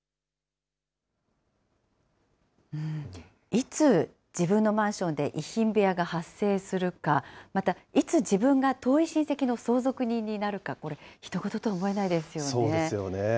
いつ、自分のマンションで遺品部屋が発生するか、またいつ自分が遠い親戚の相続人になるか、これ、そうですよね。